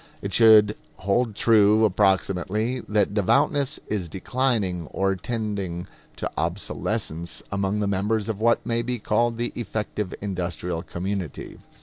It should hold true, approximately, that devoutness is declining or tending to obsolescence among the members of what may be called the effective industrial community.